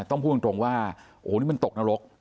ต้องพูดตรงว่าโอ้โหนี่มันตกนรก